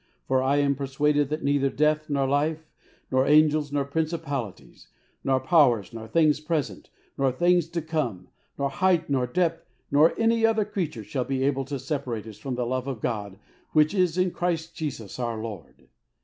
For I am per suaded that neither death, nor life, nor angels, nor principalities, nor powers, nor things present, nor things to come, nor height, nor depth, nor any other creature, shall be able to separate us from the love of God, which is in Christ Jesus our Lord."